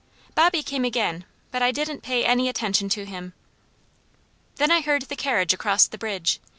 Bobby came again, but I didn't pay any attention to him. Then I heard the carriage cross the bridge.